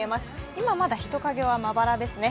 今、まだ人影はまばらですね。